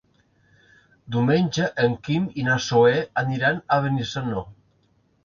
Diumenge en Quim i na Zoè aniran a Benissanó.